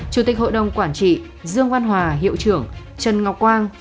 chủ tịch hội đồng quản trị dương văn hòa hiệu trưởng trần ngọc quang phó trưởng phòng đào tạo và quản lý sinh viên